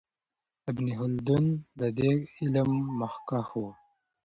ابن خلدون د دې علم مخکښ و.